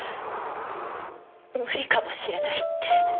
無理かもしれないって。